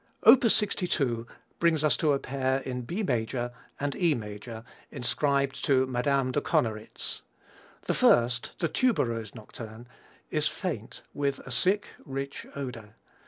Opus 62 brings us to a pair in B major and E major inscribed to Madame de Konneritz. The first, the Tuberose Nocturne, is faint with a sick, rich odor.